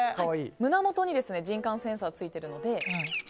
胸元に人感センサーがついているので。